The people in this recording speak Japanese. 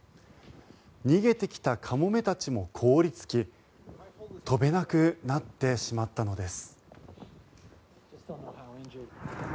逃げてきたカモメたちも凍りつき飛べなくなってしまったのです。